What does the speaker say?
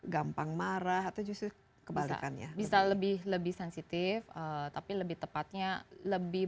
gampang marah atau justru kebalikannya bisa lebih lebih sensitif tapi lebih tepatnya lebih